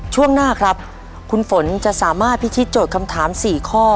ช่วงหน้าครับคุณฝนจะสามารถพิธีโจทย์คำถาม๔ข้อ